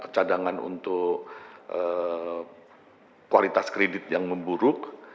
cadangan untuk kualitas kredit yang memburuk